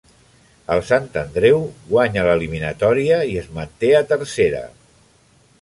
El Sant Andreu guanya l'eliminatòria i es manté a Tercera.